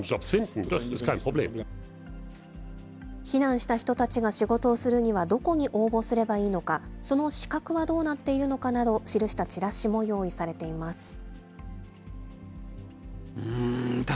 避難した人たちが仕事をするには、どこに応募すればいいのか、その資格はどうなっているかなどを記したチラシも用意されています。